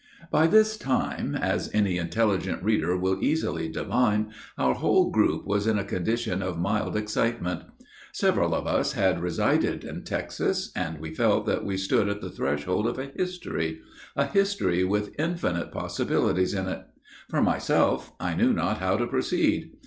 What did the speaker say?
By this time, as any intelligent reader will easily divine, our whole group was in a condition of mild excitement. Several of us had resided in Texas, and we felt that we stood at the threshold of a history, a history with infinite possibilities in it. For myself, I knew not how to proceed.